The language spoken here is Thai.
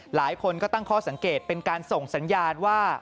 หลายคนก็ตั้งข้อสังเกตเป็นการส่งสัญญาณว่า